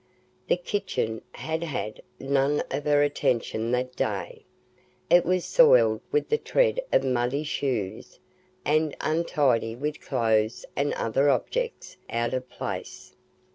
The kitchen had had none of her attention that day; it was soiled with the tread of muddy shoes and untidy with clothes and other objects out of place.